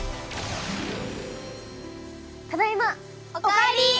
ただいま！お帰り！